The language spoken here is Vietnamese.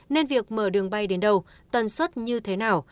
nên việc mở đường bay đến đâu tần suất như thế nào